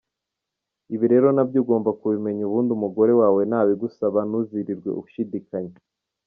Ibi rero nabyo ugomba kubimenya ubundi umugore wawe n’abigusaba ntuzirirwe ushidikanya.